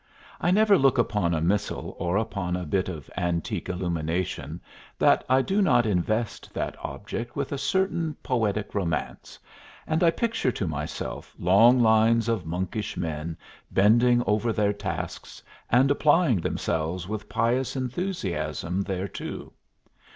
I never look upon a missal or upon a bit of antique illumination that I do not invest that object with a certain poetic romance, and I picture to myself long lines of monkish men bending over their tasks, and applying themselves with pious enthusiasm thereto.